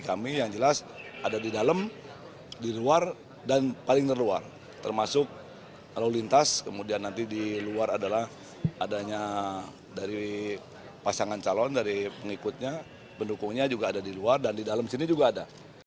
kemudian nanti di luar adalah adanya dari pasangan calon dari pengikutnya pendukungnya juga ada di luar dan di dalam sini juga ada